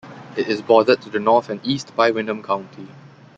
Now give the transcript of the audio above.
It is bordered to the north and east by Windham County.